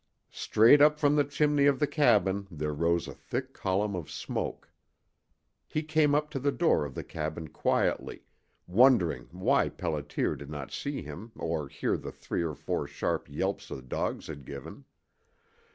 Straight up from the chimney of the cabin there rose a thick column of smoke! He came up to the door of the cabin quietly, wondering why Pelliter did not see him or hear the three or four sharp yelps the dogs had given.